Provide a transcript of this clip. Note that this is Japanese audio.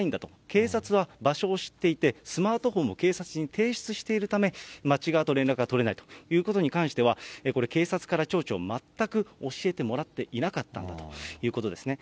警察は場所を知っていて、スマートフォンも警察に提出しているため、町側と連絡が取れないということに関しては、これ、警察から町長、全く教えてもらっていなかったんだということですね。